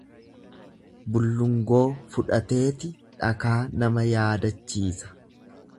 Bullongoo fudhateeti dhakaa nama yaadachiisa.